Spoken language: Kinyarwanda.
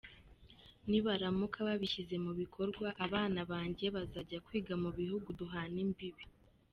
Nibaramuka babishyize mu bikorwa abana banjye bazajya kwiga mu bihugu duhana imbibi.